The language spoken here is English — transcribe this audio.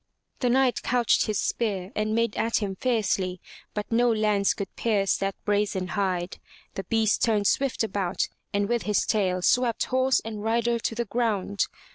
The Knight couched his spear and made at him fiercely, but no lance could pierce that brazen hide. The beast turned swift about and with his tail swept horse and rider to the ground.